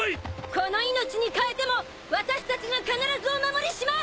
この命に代えても私たちが必ずお守りします！